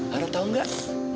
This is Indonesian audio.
lara tahu gak